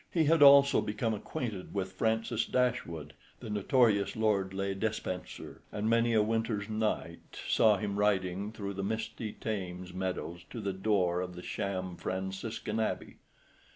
He had also become acquainted with Francis Dashwood, the notorious Lord le Despencer, and many a winter's night saw him riding through the misty Thames meadows to the door of the sham Franciscan abbey.